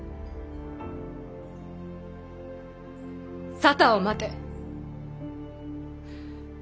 沙汰を待て。